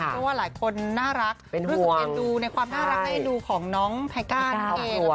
ในความน่ารักในไอดูของน้องพระกาศเอง